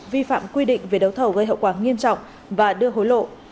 vi phạm quy định về đấu thầu gây hậu quả nghiêm trọng và đưa hối lộ